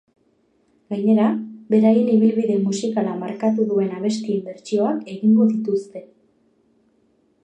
Gainera, beraien ibilbide musikala markatu duen abestien bertsioak egingo dituzte.